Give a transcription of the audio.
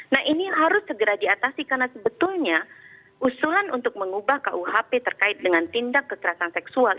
nah ini harus segera diatasi karena sebetulnya usulan untuk mengubah kuhp terkait dengan tindak kekerasan seksual